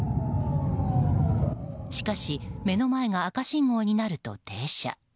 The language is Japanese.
しかし目の前が赤信号になると停車。